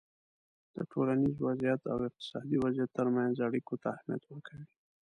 د ټولنیز وضععیت او اقتصادي وضعیت ترمنځ اړیکو ته اهمیت ورکوی